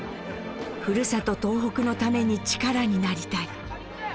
ふるさと東北のために力になりたい。